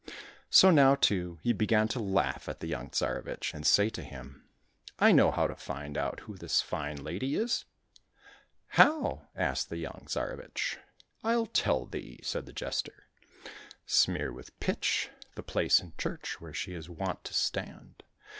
So now, too, he began to laugh at the young Tsarevich and say to him, " I know how to find out who this fine lady is." —" How }'* asked the young Tsarevich. —" I'll tell thee," said the jester ;" smear with pitch the place in church where she is wont to stand.